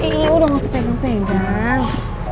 ih udah gak usah pegang pegang